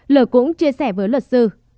l cũng chia sẻ với luật sư